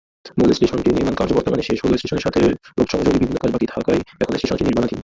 মূল স্টেশনটির নির্মাণকার্য বর্তমানে শেষ হলেও স্টেশনের সাথে রোড-সংযোগী বিভিন্ন কাজ বাকি থাকায় এখনও স্টেশনটি নির্মাণাধীন।